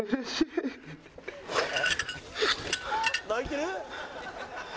「泣いてる？」